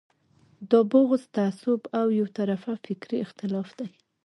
دا بغض، تعصب او یو طرفه فکري اختلاف دی.